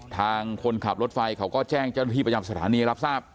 ทางคนขับรถไฟเขาก็แจ้งเจ้าหน้าที่ประจำสถานีรับทราบ